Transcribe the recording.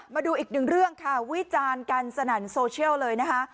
มาดูอีกหนึ่งเรื่องค่ะวิจารณ์กันสนั่นโซเชียลเลยนะคะ